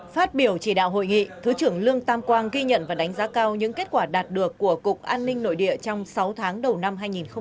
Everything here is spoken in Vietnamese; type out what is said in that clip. phát biểu chỉ đạo hội nghị thứ trưởng lương tam quang ghi nhận và đánh giá cao những kết quả đạt được của cục an ninh nội địa trong sáu tháng đầu năm hai nghìn hai mươi ba